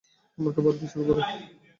অন্যকে বাদ দিয়ে চোখে পড়ে।